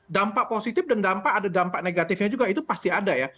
dampak positif dan dampak ada dampak negatifnya juga itu pasti ada ya